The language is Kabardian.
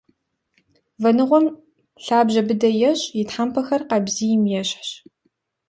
Вэныгъуэм лъабжьэ быдэ ещӏ, и тхьэмпэхэр къабзийм ещхьщ.